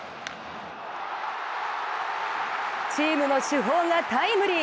チームの主砲がタイムリー！